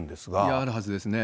あるはずですね。